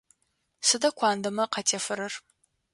Сыда куандэмэ къатефэрэр?